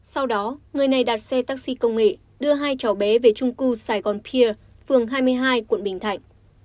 sau đó người này đặt xe taxi công nghệ đưa hai cháu bé về chung cư saigon pier phường hai mươi hai quận bình thạnh